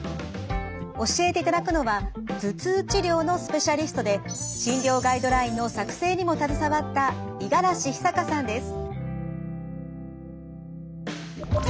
教えていただくのは頭痛治療のスペシャリストで診療ガイドラインの作成にも携わった五十嵐久佳さんです。